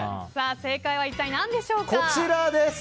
正解は一体何でしょうか。